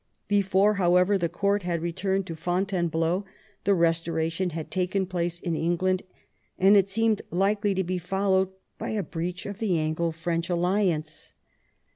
Before, however, the court had returned to Fontaine bleau, the Restoration had taken place in England, and it seemed likely to be followed by a breach of the Anglo French alliance.